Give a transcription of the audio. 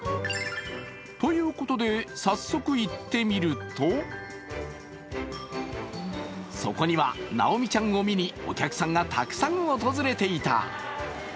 ということで早速行ってみると、そこには、なおみちゃんを見に、お客さんがたくさん訪れていた。